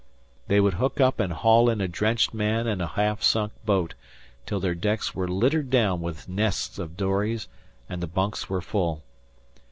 They would hook up and haul in a drenched man and a half sunk boat, till their decks were littered down with nests of dories and the bunks were full.